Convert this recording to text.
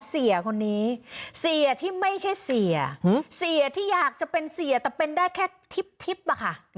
เสียคนนี้เสียที่ไม่ใช่เสียเสียที่อยากจะเป็นเสียแต่เป็นได้แค่ทิพย์อะค่ะ